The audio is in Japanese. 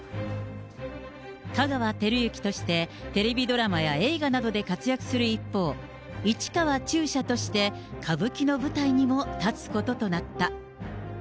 香川照之としてテレビドラマや映画などで活躍する一方、市川中車として、歌舞伎の舞台にも立つこととなった。